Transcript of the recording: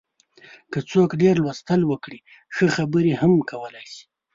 که څوک ډېر لوستل وکړي، ښه خبرې هم کولای شي.